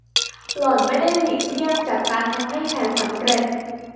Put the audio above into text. หล่อนไม่ได้หลีกเลี่ยงจากการทำให้แผนสำเร็จ